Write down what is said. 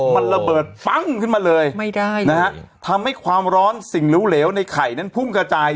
มันระเบิดปั้งขึ้นมาเลยไม่ได้นะฮะทำให้ความร้อนสิ่งเหลวในไข่นั้นพุ่งกระจาย